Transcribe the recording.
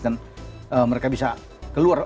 dan mereka bisa keluar